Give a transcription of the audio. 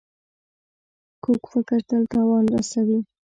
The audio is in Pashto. کوږ فکر تل تاوان رسوي